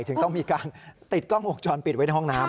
ถึงต้องมีการติดกล้องวงจรปิดไว้ในห้องน้ำ